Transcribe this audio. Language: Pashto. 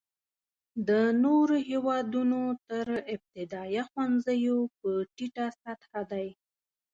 د نورو هېوادونو تر ابتدایه ښوونځیو په ټیټه سطحه دی.